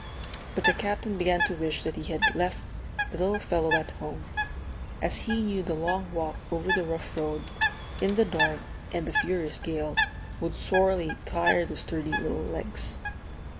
But the Captain began to wish that he had left the little fellow at home, as he knew the long walk over the rough road, in the dark and the furious gale, would sorely tire the sturdy little legs.